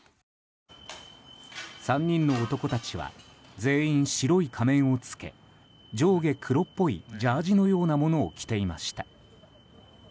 ３人の男たちは全員白い仮面を着け上下黒っぽいジャージーのようなものを着ていました。